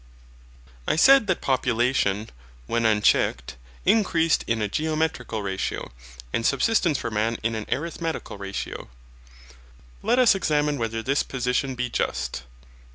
I said that population, when unchecked, increased in a geometrical ratio, and subsistence for man in an arithmetical ratio. Let us examine whether this position be just.